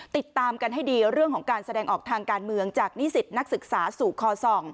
ติดตามกันให้ดีเรื่องของการแสดงออกทางการเมืองจากนิสิตนักศึกษาสู่คอส่อง